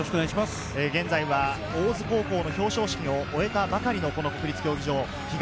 現在は大津高校の表彰式を終えたばかりの国立競技場。